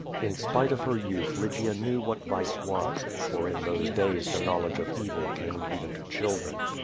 In spite of her youth Lygia knew what vice was, for in those days the knowledge of evil came even to children.